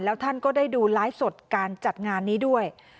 แล้วท่านก็ได้ดูไลฟ์สดการจัดงานนี้ด้วย